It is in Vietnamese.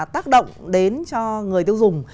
tác động đến cho người tiêu dùng